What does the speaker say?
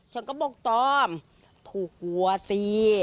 ฉันก็บอกตามพูดกลัวสิ